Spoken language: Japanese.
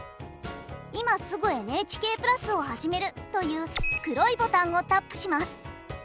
「今すぐＮＨＫプラスをはじめる」という黒いボタンをタップします。